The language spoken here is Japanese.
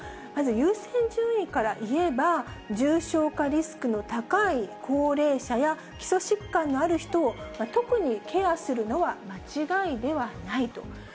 まず優先順位から言えば、重症化リスクの高い高齢者や、基礎疾患のある人を特にケアするのは間違いではないと。